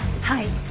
はい。